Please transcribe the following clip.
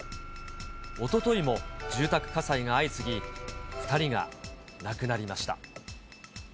おとといも住宅火災が相次ぎ、２人が亡くなりました。